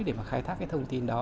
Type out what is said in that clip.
để mà khai thác cái thông tin đó